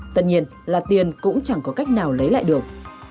tất nhiên là tiền cũng chẳng có cách nào lấy lại được